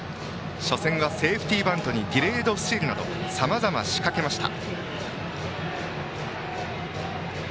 初戦はセーフティーバントにディレードスチールなどさまざま仕掛けました。